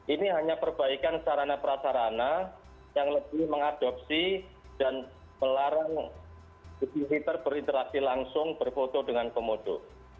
ini hanya perbaikan sarana prasarana yang lebih mengadopsi dan melarang twitter berinteraksi langsung berfoto dengan komodo